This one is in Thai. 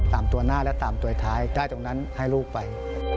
ตามตัวหน้าและตามตัวท้ายได้ตรงนั้นให้ลูกไป